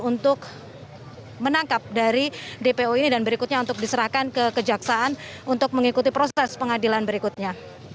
untuk menangkap dari dpo ini dan berikutnya untuk diserahkan ke kejaksaan untuk mengikuti proses pengadilan berikutnya